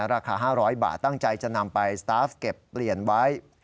ราคา๕๐๐บาทตั้งใจจะนำไปสตาฟเก็บเปลี่ยนไว้